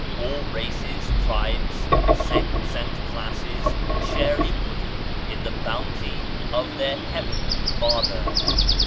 All races, tribes, sects and classes share equally in the Bounty of their Heavenly Father.